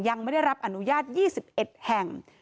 ยังไม่ได้รับอนุญาต๒๑แห่ง